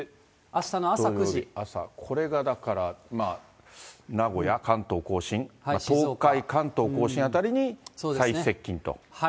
土曜日朝、これがだから、名古屋、関東甲信、東海、関東甲信辺りに最接近と。